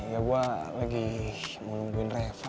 ya gue lagi nungguin reva